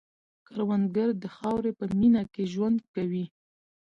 کروندګر د خاورې په مینه کې ژوند کوي